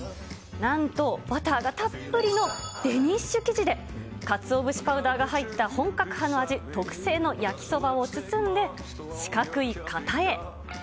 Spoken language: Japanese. なんとバターがたっぷりのデニッシュ生地で、かつお節パウダーが入った本格派の味、特製の焼きそばを包んで、四角い型へ。